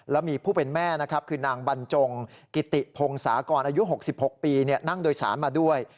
แล้วมีผู้เป็นแม่นะครับคือนางบรรจงกิติพงศากรอายุ๖๖ปีนั่งโดยสารมาด้วย